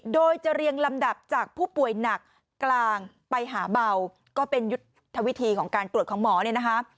โดยจะเรียงลำดับจากผู้ป่วยหนักกลางไปหาเบาก็เป็นยุทธวิธีของการตรวจของหมอเนี่ยนะคะ